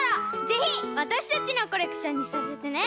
ぜひわたしたちのコレクションにさせてね！